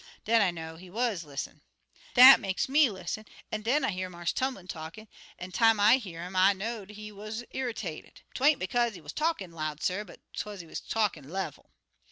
Den I know'd he wuz lis'nin'. "Dat makes me lis'n, an' den I hear Marse Tumlin talkin', an' time I hear 'im I know'd he wuz errytated. Twa'n't bekaze he wuz talkin' loud, suh, but 'twuz bekaze he wuz talkin' level.